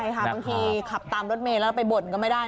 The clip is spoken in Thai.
ใช่ค่ะบางทีขับตามรถเมย์แล้วไปบ่นก็ไม่ได้